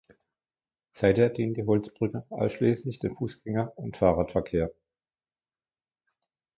Seither dient die Holzbrücke ausschliesslich dem Fussgänger- und Fahrradverkehr.